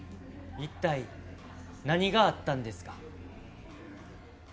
一体何があったんですか？